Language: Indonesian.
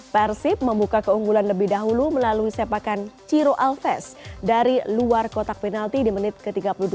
persib membuka keunggulan lebih dahulu melalui sepakan ciro alves dari luar kotak penalti di menit ke tiga puluh dua